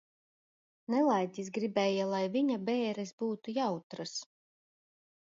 Nelaiķis gribēja, lai viņa bēres būtu jautras.